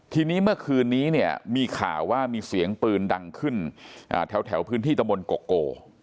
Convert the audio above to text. ทีนี้เมื่อคืนนี้เนี่ยมีข่าวว่ามีเสียงปืนดังขึ้นแถวพื้นที่ตะมนต์โกโก